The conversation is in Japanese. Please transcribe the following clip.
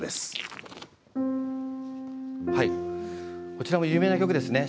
こちらも有名な曲ですね。